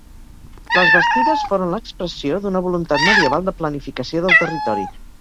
Les bastides foren l'expressió d'una voluntat medieval de planificació del territori.